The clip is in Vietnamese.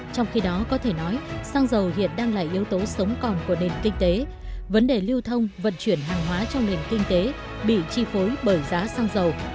trong khi đó có thể nói xăng dầu hiện đang là yếu tố sống còn của nền kinh tế vấn đề lưu thông vận chuyển hàng hóa trong nền kinh tế bị chi phối bởi giá xăng dầu